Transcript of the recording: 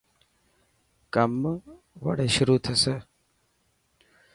ڪم وڙي شروح ٿيي.